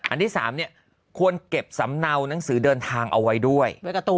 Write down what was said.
อันที่๓ควรเก็บสำเนาหนังสือเดินทางเอาไว้ด้วย